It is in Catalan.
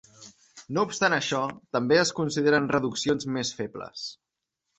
No obstant això, també es consideren reduccions més febles.